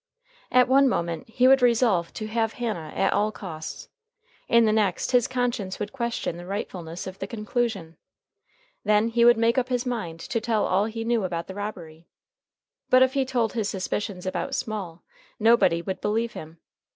At one moment he would resolve to have Hannah at all costs. In the next his conscience would question the rightfulness of the conclusion. Then he would make up his mind to tell all he knew about the robbery. But if he told his suspicions about Small, nobody would believe him.